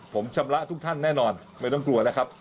ผมชำระทุกท่านแน่นอนไม่ต้องกลัวแล้วครับ